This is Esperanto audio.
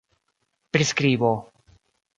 priskribo